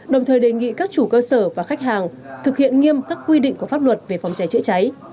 đồng thời đề nghị các chủ cơ sở và khách hàng thực hiện nghiêm các quy định của pháp luật về phòng cháy chữa cháy